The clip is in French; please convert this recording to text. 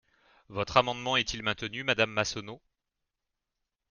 Votre amendement est-il maintenu, madame Massonneau?